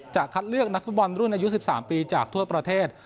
จะคัดเลือกนักฟุตบอลรุ่นอายุ๑๓ปีจากทั่วประเทศ